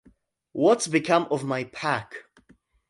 What's become of my pack?